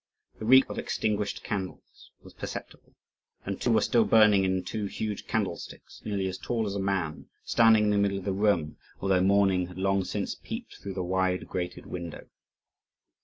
The reek of extinguished candles was perceptible; and two were still burning in two huge candlesticks, nearly as tall as a man, standing in the middle of the room, although morning had long since peeped through the wide grated window.